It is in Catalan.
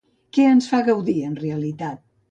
Què ens fa gaudir en realitat?